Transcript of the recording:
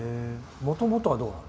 もともとはどうなの？